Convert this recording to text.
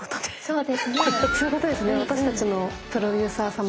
そうですね。